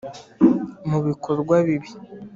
mu bikorwa bibi